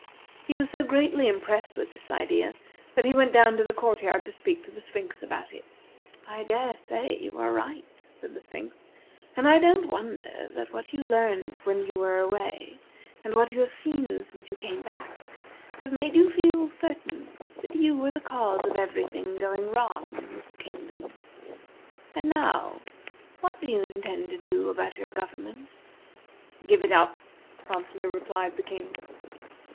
He was so greatly impressed with this idea that he went down to the court yard to speak to the Sphinx about it. "I dare say you are right," said the Sphinx, "and I don't wonder that what you learned when you were away, and what you have seen since you came back, have made you feel certain that you were the cause of every thing going wrong in this kingdom. And now, what do you intend to do about your government?" "Give it up," promptly replied the King.